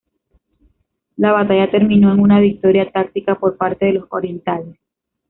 La batalla terminó en una victoria táctica por parte de los orientales.